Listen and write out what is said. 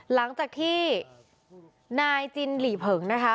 หลังจากที่นายจินหลีเผิงนะคะ